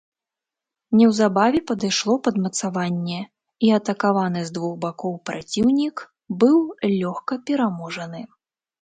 Неўзабаве падышло падмацаванне, і атакаваны з двух бакоў праціўнік быў лёгка пераможаны.